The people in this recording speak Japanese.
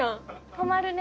止まるね。